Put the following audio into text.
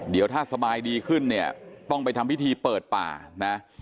เดี๋ยวถ้าสบายดีขึ้นเนี่ยต้องไปทำพิธีเปิดป่านะ